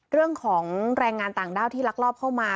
เรื่องของแรงงานต่างด้าวที่ลักลอบเข้ามา